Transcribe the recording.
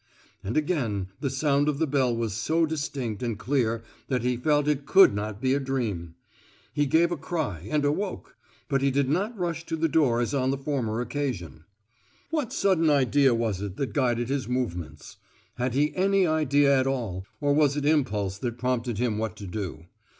And again, the sound of the bell was so distinct and clear that he felt it could not be a dream. He gave a cry, and awoke; but he did not rush to the door as on the former occasion. What sudden idea was it that guided his movements? Had he any idea at all, or was it impulse that prompted him what to do?